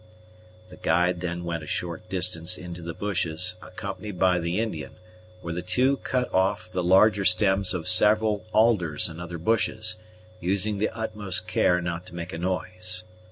The guide then went a short distance into the bushes, accompanied by the Indian, where the two cut off the larger stems of several alders and other bushes, using the utmost care not to make a noise.